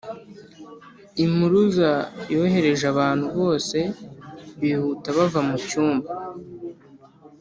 impuruza yohereje abantu bose bihuta bava mucyumba.